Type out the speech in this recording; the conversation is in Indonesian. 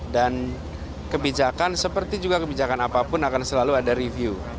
kebijakan seperti juga kebijakan apapun akan selalu ada review